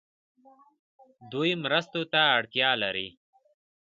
دوی مرستو ته اړتیا لري.